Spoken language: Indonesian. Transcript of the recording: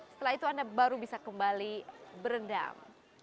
setelah itu anda baru bisa kembali berendam